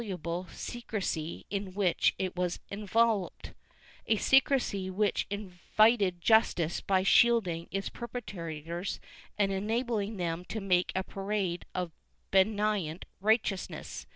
II] RETRIBUTION 533 the inviolable secrecy in which it was enveloped — a secrecy which invited injustice by shielding its perpetrators and enabling them to make a parade of benignant righteousness.